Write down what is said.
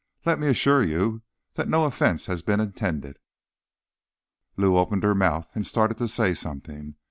"Let me assure you that no offense has been intended." Lou opened her mouth and started to say something.